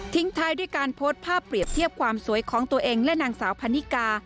ท้ายด้วยการโพสต์ภาพเปรียบเทียบความสวยของตัวเองและนางสาวพันนิกา